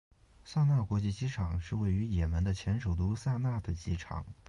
萨那国际机场是位于也门的前首都萨那的机场。